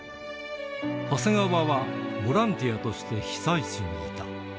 長谷川はボランティアとして被災地にいた。